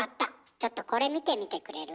ちょっとこれ見てみてくれる？